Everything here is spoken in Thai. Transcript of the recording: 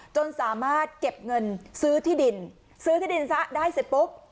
จนสามารถเก็บเงินซื้อที่ดินซื้อที่ดินซะได้เสร็จปุ๊บ